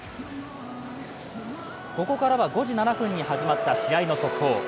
ここからは５時７分に始まった試合の速報。